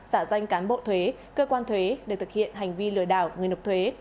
xả danh cán bộ thuế cơ quan thuế để thực hiện hành vi lừa đảo người nộp thuế